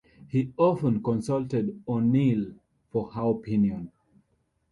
He often consulted O'Neill for her opinion.